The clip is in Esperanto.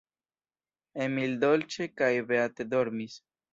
Emil dolĉe kaj beate dormis.